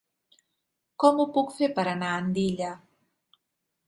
Com ho puc fer per anar a Andilla?